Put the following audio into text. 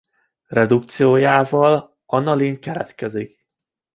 Redukciójával anilin keletkezik.